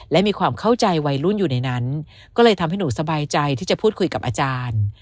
และมีความเข้าใจวัยรุ่นอยู่ในนั้นก็เลยทำให้หนูสบายใจที่จะพูดคุยกับอาจารย์